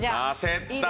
焦った。